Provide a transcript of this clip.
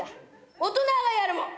大人がやるもん。